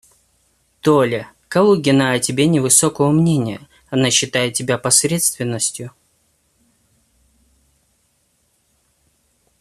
Толя, Калугина о тебе невысокого мнения, она считает тебя посредственностью.